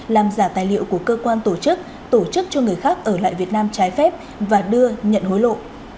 làm giả tài liệu của cơ quan tổ chức tổ chức cho người khác ở lại việt nam trái phép và đưa nhận hối lộ